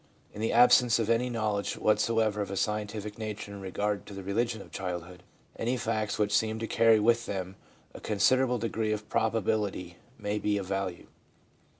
In the absence of any knowledge whatsoever of a scientific nature in regard to the religion of childhood, any facts which seem to carry with them a considerable degree of probability may be of value.